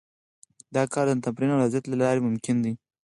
دا کار د تمرین او ریاضت له لارې ممکن دی